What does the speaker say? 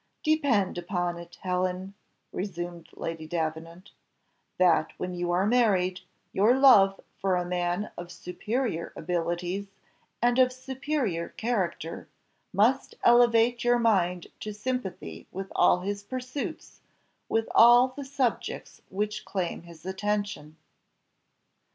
"Depend upon it, Helen," resumed Lady Davenant, "that when you are married, your love for a man of superior abilities, and of superior character, must elevate your mind to sympathy with all his pursuits, with all the subjects which claim his attention."